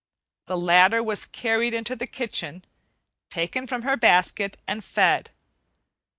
The latter was carried into the kitchen, taken from her basket, and fed.